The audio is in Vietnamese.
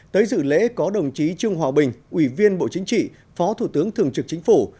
tới dự lễ có đồng chí trương hòa bình ủy viên bộ chính trị phó thủ tướng thường trực chính phủ